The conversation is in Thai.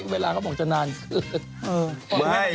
เวลาเค้าบอกจะนานขึ้น